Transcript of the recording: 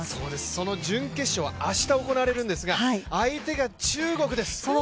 その準決勝明日行われるんですが相手が中国です。